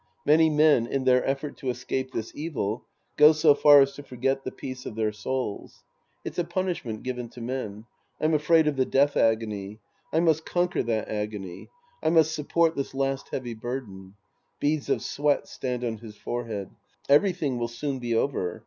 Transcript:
Many men, in their effort to escape this evil, go so far as to forget the peace of their souls. It's a punishment given to men. I'm afraid of the death agony. I must conquer that agony. I must support this last heavy burden. {Beads of S7veat stand on his forehead.) Everything will soon be over.